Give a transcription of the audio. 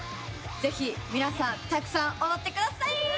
ぜひ皆さんたくさん踊ってください。